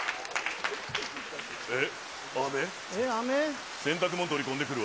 えっ？